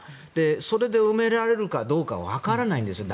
それで埋められるかどうか分からないんです。